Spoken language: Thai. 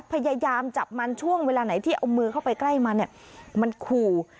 พยายามจับมันช่วงเวลาไหนที่เอามือเข้าไปใกล้มันเนี่ยมันขู่